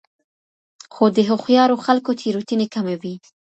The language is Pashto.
خو د هوښیارو خلکو تېروتنې کمې وي.